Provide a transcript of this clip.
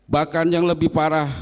bahkan yang lebih parah